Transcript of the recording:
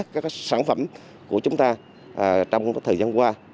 các sản phẩm của chúng ta trong thời gian qua